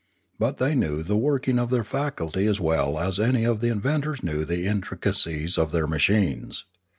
But they knew the working of their faculty as well as any of the inventors knew the intricacies of their machines.